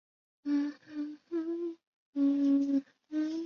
蓝钦毕业于普林斯顿大学土木工程系。